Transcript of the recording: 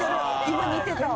今似てた。